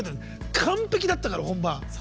完璧だったから、本番。